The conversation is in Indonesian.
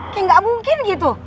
kayak gak mungkin gitu